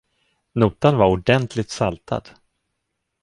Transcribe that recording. Notan var ordentligt saltad.